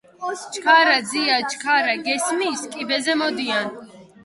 - ჩქარა, ძია, ჩქარა, გესმის, კიბეზე მოდიან!